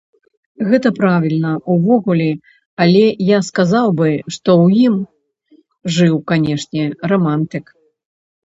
Гэта правільна, увогуле, але я сказаў бы, што ў ім жыў, канешне, рамантык.